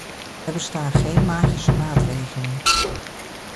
Er bestaan geen magische maatregelen.